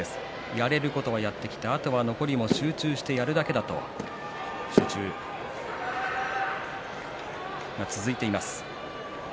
やれることはやってきてあとは残りも集中してやるだけだと集中が続いています。